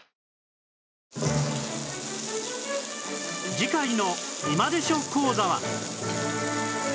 次回の『今でしょ！講座』は